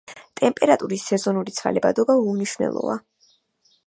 ტემპერატურის სეზონური ცვალებადობა უმნიშვნელოა.